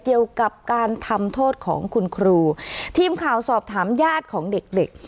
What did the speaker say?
เกี่ยวกับการทำโทษของคุณครูทีมข่าวสอบถามญาติของเด็กเด็ก